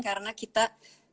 karena kita bisa berguna